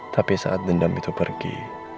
tapi saat dendam itu pergi